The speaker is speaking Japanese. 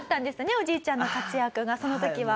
おじいちゃんの活躍がその時は。